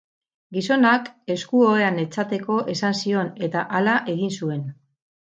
Gizonak esku-ohean etzateko esan zion eta hala egin zuen.